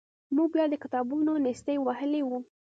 موږ بیا د کتابونو نیستۍ وهلي وو.